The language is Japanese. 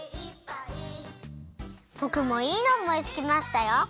ぼくもいいのをおもいつきましたよ！